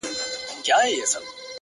ژوندی انسان و حرکت ته حرکت کوي؛